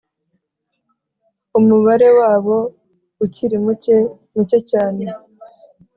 Umubare wabo ukiri muke Muke cyane